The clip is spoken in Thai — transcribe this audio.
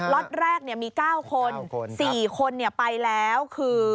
ล็อตแรกมี๙คน๔คนไปแล้วคือ